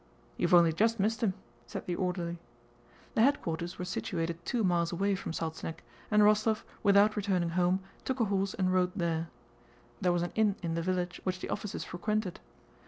"You've only just missed him," said the orderly. The headquarters were situated two miles away from Salzeneck, and Rostóv, without returning home, took a horse and rode there. There was an inn in the village which the officers frequented.